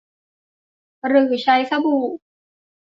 หรือใช้สบู่